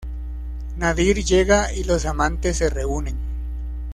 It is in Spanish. Nadir llega y los amantes se reúnen.